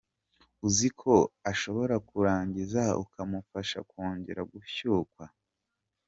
uzi ko ashora kurangiza ukamufasha kongera gushyukwa.